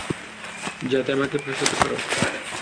যাতে আমাকে ফাঁসাতে পারো?